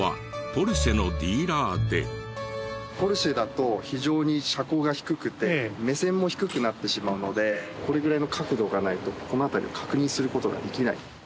ポルシェだと非常に車高が低くて目線も低くなってしまうのでこれぐらいの角度がないとこの辺りは確認する事ができない。